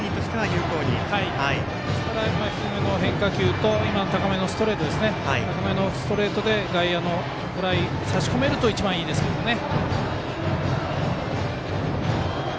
ですから低めの変化球と高めのストレートで外野のフライを差し込めると一番いいですけどね。